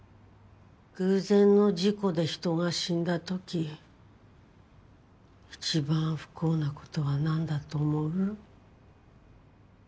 偶然の事故で人が死んだ時一番不幸なことはなんだと思う？